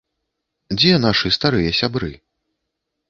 Дзе нашы старыя сябры?